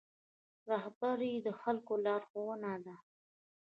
رهبري د خلکو لارښوونه ده